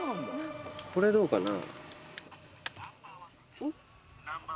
これ、どうかな？